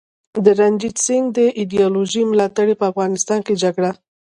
د رنجیت سینګ د ایډیالوژۍ ملاتړي په افغانستان کي جګړه